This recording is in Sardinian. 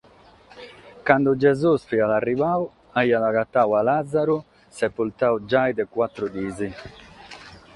Cando Gesùs fiat arribadu, aiat agatadu a Làzaru sepultadu giai dae bator dies.